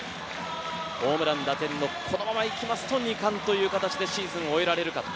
ホームラン・打点、このまま行きますと２冠という形でシーズンを終えられるか。